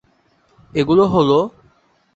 এগুলো হল-